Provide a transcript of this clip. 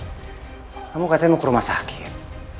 kamu katanya mau ke rumah sakit